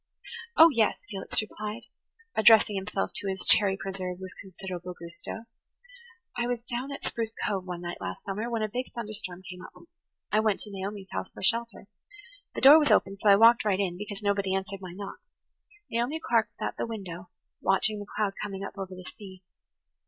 "Oh, yes," Felix replied, addressing himself to his cherry preserve with considerable gusto. "I was down at Spruce Cove one night last summer when a big thunderstorm came up. I went to Naomi's house for shelter. The door was open, so I walked right in, because nobody answered my knock. Naomi Clark was at the window, watching the cloud coming up over the sea.